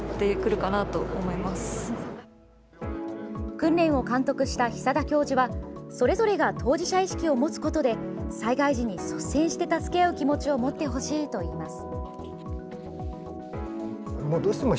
訓練を監督した久田教授はそれぞれが当事者意識を持つことで災害時に率先して助け合う気持ちを持ってほしいといいます。